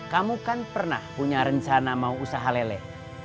kamu kan pernah punya rencana mau usaha lele